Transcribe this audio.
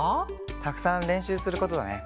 たくさんれんしゅうすることだね。